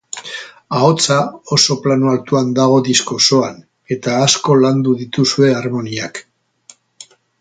Ahotsa oso plano altuan dago disko osoan, eta asko landu dituzue harmoniak.